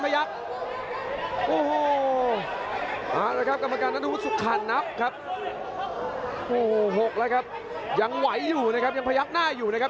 ยังหยุดอยู่ครับยังความพยายามหน้าอยู่นะครับ